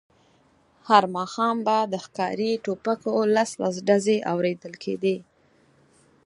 هر ماښام به د ښکاري ټوپکو لس دولس ډزې اورېدل کېدې.